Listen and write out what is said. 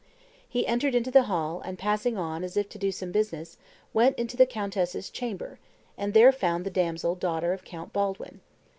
He entered into the hall, and, passing on, as if to do some business, went into the countess's chamber, and there found the damsel daughter of Count Baldwin.